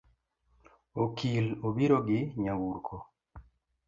Okil obiro gi nyamburko